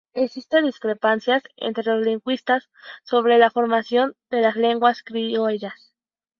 Existen discrepancias entre los lingüistas sobre la formación de las lenguas criollas.